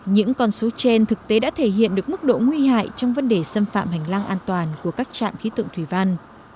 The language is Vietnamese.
những con số trên thực tế đã thể hiện được mức độ nguy hại trong vấn đề xâm phạm hành lang an toàn của các trạm khí tượng thủy văn